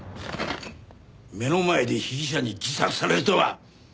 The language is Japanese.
目の前で被疑者に自殺されるとは大失態だ。